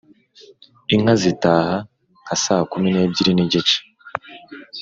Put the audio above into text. Inka zitaha (nka saa kumu n'ebyiri n'igice)